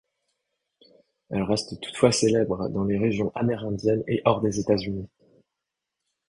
Elle reste toutefois célèbre dans les régions amérindiennes et hors des États-Unis.